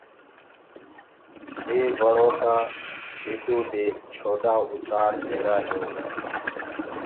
وي وڻو ڪآ پيڏو دي ڇوڏآ اُتآر رهيرآ هينٚ۔